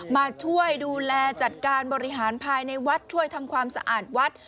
มาช่วยดูแลจัดการบริหารภายในวัดช่วยทำความสะอาดวัด